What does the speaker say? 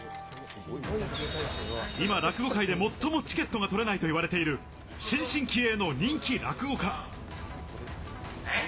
今、落語界で最もチケットが取れないといわれている、新進気鋭の人気落語家。